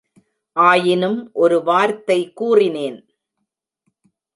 ஆயினும், ஒரு வார்த்தை கூறினேன்.